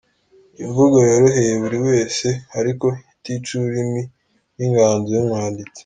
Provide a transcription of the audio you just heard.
Imvugo yoroheye buri wese, ariko itica ururimi n’inganzo y’umwanditsi.